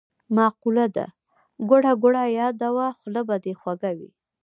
مقوله ده: ګوړه ګوړه یاده وه خوله به دی خوږه وي.